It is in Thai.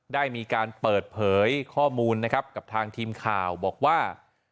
ได้มีการเปิดเผยข้อมูลนะครับกับทางทีมข่าวบอกว่า